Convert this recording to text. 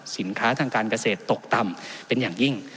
สินค้าทางการเกษตรตกต่ำเป็นอย่างยิ่ง